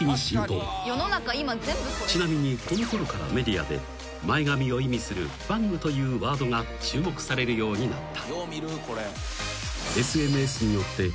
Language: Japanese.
［ちなみにこのころからメディアで前髪を意味するバングというワードが注目されるようになった］